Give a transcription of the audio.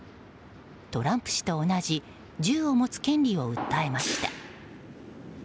トランプ氏と同じ銃を持つ権利を訴えました。